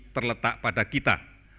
terletak pada kita